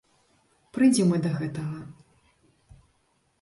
Прыйдзем мы да гэтага.